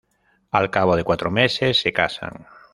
Al cabo de cuatro meses, se casan.